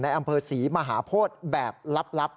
อำเภอศรีมหาโพธิแบบลับ